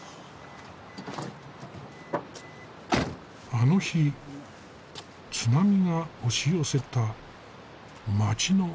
あの日津波が押し寄せた町の海岸。